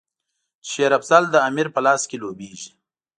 چې شېر افضل د امیر په لاس کې لوبیږي.